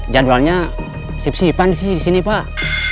jadwalnya sip sipan sih di sini pak